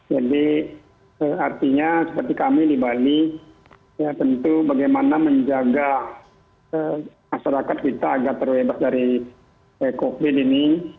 jadi artinya seperti kami di bali ya tentu bagaimana menjaga masyarakat kita agak terbebas dari covid ini